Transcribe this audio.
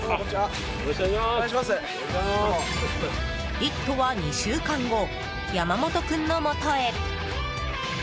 「イット！」は２週間後山本君のもとへ。